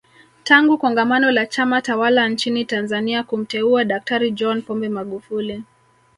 Tangu kongamano la Chama tawala nchini Tanzania kumteua Daktari John Pombe Magufuli